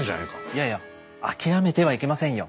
いやいや諦めてはいけませんよ。